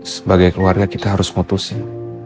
sebagai keluarga kita harus mutusi